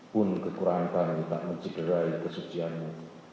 pun kekurangan kami tak mencikai kesuciannya